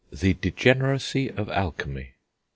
THE DEGENERACY OF ALCHEMY.